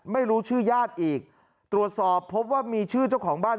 ไม่รู้ชื่อญาติอีกตรวจสอบพบว่ามีชื่อเจ้าของบ้าน